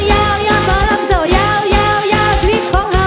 ยาวยาวสร้างเจ้ายาวชีวิตของเรา